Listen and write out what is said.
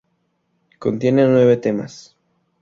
Contiene nueve temas.